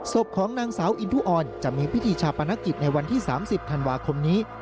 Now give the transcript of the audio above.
ศพของนางสาวอินทุออนจะมีพิธีชาปนกิจในวันที่๓๐ธันวาคมนี้